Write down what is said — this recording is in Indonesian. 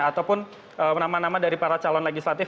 ataupun nama nama dari para calon legislatif